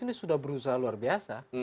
ini sudah berusaha luar biasa